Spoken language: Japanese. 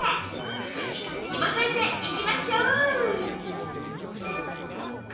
少しひもといていきましょう！